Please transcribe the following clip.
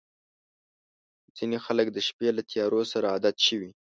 • ځینې خلک د شپې له تیارو سره عادت شوي.